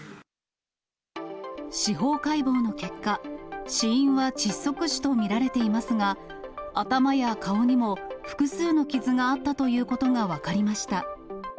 司法解剖の結果、死因は窒息死と見られていますが、頭や顔にも複数の傷があったということが分かりました。